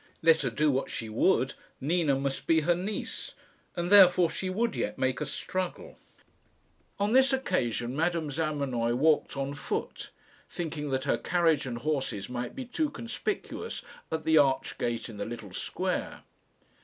Let her do what she would, Nina must be her niece, and therefore she would yet make a struggle. On this occasion Madame Zamenoy walked on foot, thinking that her carriage and horses might be too conspicuous at the arched gate in the little square.